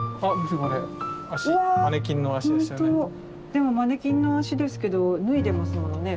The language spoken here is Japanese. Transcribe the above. でもマネキンの足ですけど脱いでますものね